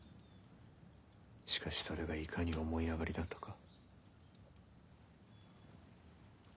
しかしそれがいかに思い上がりだったか。